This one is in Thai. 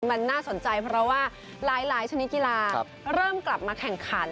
มันน่าสนใจเพราะว่าหลายชนิดกีฬาเริ่มกลับมาแข่งขัน